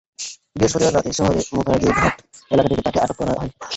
বৃহস্পতিবার রাতে শহরের মুখার্জি ঘাট এলাকা থেকে তাঁকে আটক করা হয়।